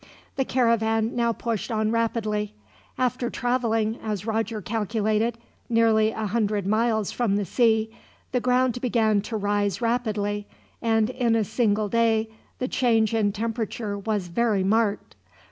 The caravan now pushed on rapidly. After traveling, as Roger calculated, nearly a hundred miles from the sea, the ground began to rise rapidly, and in a single day the change in temperature was very marked.